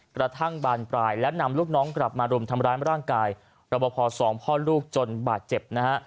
กระทั่งบานปลายและนำลูกน้องกลับมารุมทำร้ายร่างกายรับประพอสองพ่อลูกจนบาดเจ็บนะฮะ